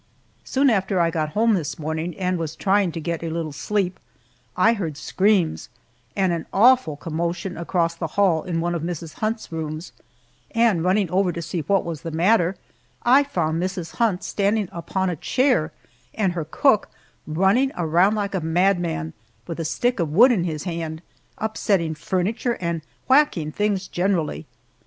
Soon after I got home this morning and was trying to get a little sleep, I heard screams and an awful commotion across the hall in one of Mrs. Hunt's rooms, and running over to see what was the matter, I found Mrs. Hunt standing upon a chair, and her cook running around like a madman, with a stick of wood in his hand, upsetting furniture and whacking things generally.